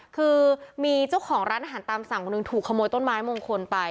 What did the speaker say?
คือมีเจ้าของร้านอาหารตามสั่งคนหนึ่งถูกขโมยต้นไม้มงคลไป